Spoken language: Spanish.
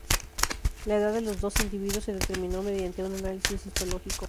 La edad de los dos individuos se determinó mediante un análisis histológico.